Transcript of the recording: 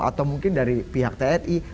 atau mungkin dari pihak tni